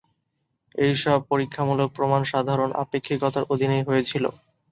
এইসব পরীক্ষামূলক প্রমাণ সাধারণ আপেক্ষিকতার অধীনেই হয়েছিল।